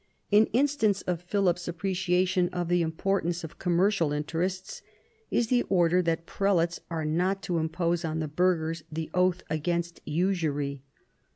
An instance of Philip's appreciation of the importance of commercial interests is the order that prelates are not to impose on the burghers the oath against usury.